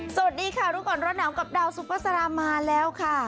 สวัสดีค่ะทุกคนร้อนหนาวกับดาวซุฟาสารามมาแล้วค่ะ